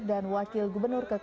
dan wakil gubernur jawa timur